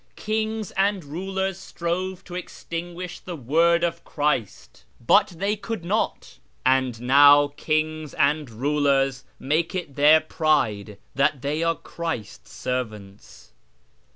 Kings and rulers strove to extinguish the word of Christ, but they could not ; and now kings and rulers make it their pride that they are Christ's servants.